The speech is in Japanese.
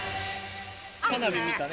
花火、見たね。